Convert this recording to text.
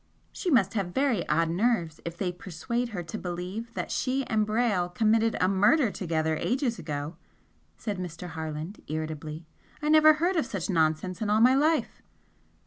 "She must have very odd nerves if they persuade her to believe that she and Brayle committed a murder together ages ago" said Mr. Harland, irritably; "I never heard of such nonsense in all my life!"